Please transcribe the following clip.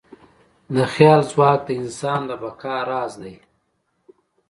د خیال ځواک د انسان د بقا راز دی.